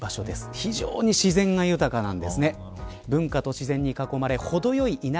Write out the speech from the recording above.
非常に自然が豊かなんです。